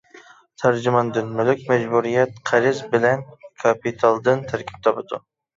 تەرجىماندىن: مۈلۈك مەجبۇرىيەت «قەرز» بىلەن كاپىتالدىن تەركىب تاپىدۇ.